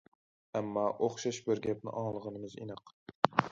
ئەمما، ئوخشاش بىر گەپنى ئاڭلىغىنىمىز ئېنىق.